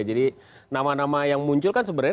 jadi nama nama yang muncul kan sebenarnya